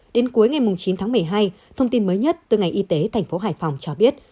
đến cuối ngày chín tháng một mươi hai thông tin mới nhất từ ngày y tế thành phố hải phòng cho biết